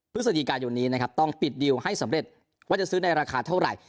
พฤศจิกายนนี้นะครับต้องปิดดีลให้สำเร็จว่าจะซื้อในราคาเท่าไหร่